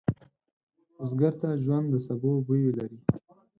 بزګر ته ژوند د سبو بوی لري